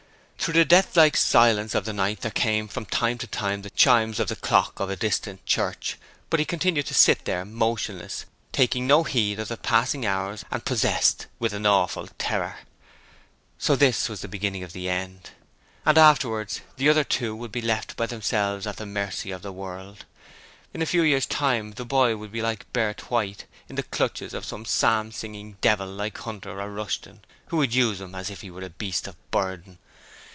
Through the deathlike silence of the night there came from time to time the chimes of the clock of a distant church, but he continued to sit there motionless, taking no heed of the passing hours, and possessed with an awful terror. So this was the beginning of the end! And afterwards the other two would be left by themselves at the mercy of the world. In a few years' time the boy would be like Bert White, in the clutches of some psalm singing devil like Hunter or Rushton, who would use him as if he were a beast of burden.